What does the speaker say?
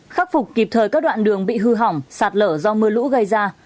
khắc phục kịp thời các đoạn đường bị hư hỏng sạt lở do mưa lũ gây ra